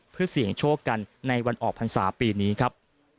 เพื่อเสี่ยงโชคกันในวันออกภัณฑ์ศาสตร์ปีนี้ครับ